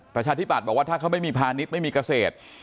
ประชาธิบัตย์บอกว่าถ้าเขาไม่มีพาณิชย์ไม่มีเกษตร